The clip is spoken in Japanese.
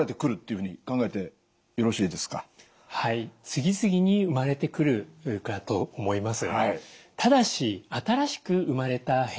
次々に生まれてくるかと思います。